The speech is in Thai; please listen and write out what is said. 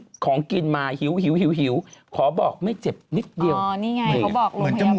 บอกโรงพยาบาลดูหน้าเด็กลงดูหวานขึ้นด้วย